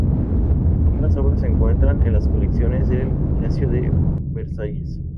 Ambas obras se encuentran en las colecciones del palacio de Versalles.